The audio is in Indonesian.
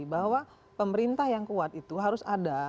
bahwa pemerintah yang kuat itu harus ada